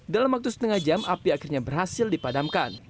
dalam waktu setengah jam api akhirnya berhasil dipadamkan